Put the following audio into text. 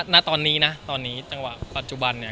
ณตอนนี้นะตอนนี้จังหวะปัจจุบันเนี่ย